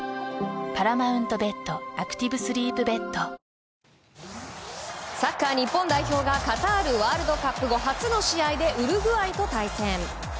選ぶ日がきたらクリナップサッカー日本代表がカタールワールドカップ後初の試合でウルグアイと対戦。